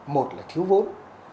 một là thiếu vốn